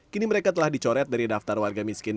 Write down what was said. kini mereka telah dicoret dari daftar warga miskin